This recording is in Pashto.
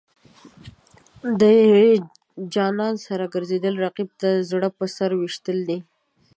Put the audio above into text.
د جانان سره ګرځېدل، رقیب ته د زړه په سر ویشتل دي.